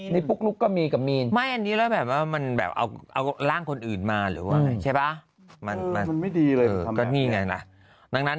นี่ปุ๊กลุ๊กก็มีกับมีน